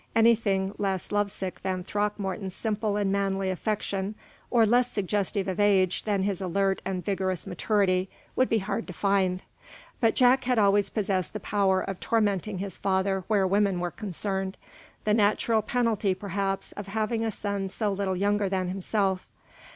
Anything less love sick than Throckmorton's simple and manly affection, or less suggestive of age than his alert and vigorous maturity, would be hard to find. But Jack had always possessed the power of tormenting his father where women were concerned the natural penalty, perhaps, of having a son so little younger than himself.